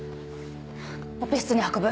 オペ室に運ぶ。